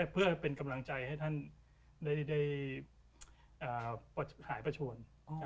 เพื่อเป็นกำลังใจให้ท่านได้หายประชวน